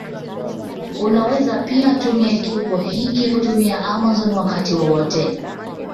Unaweza pia tumia kiungo hiki kutumia Amazon wakati wowote